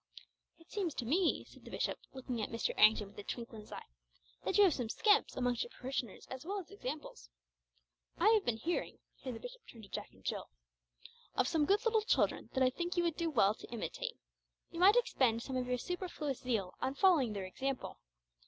"It seems to me," said the bishop, looking at Mr. Errington with a twinkle in his eye, "that you have some scamps amongst your parishioners as well as examples. I have been hearing" here the bishop turned to Jack and Jill "of some good little children that I think you would do well to imitate. You might expend some of your superfluous zeal on following their example.